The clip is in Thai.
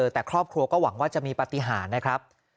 แต่ครอบครัวก็หวังว่าจะมีปฏิหารนะครับ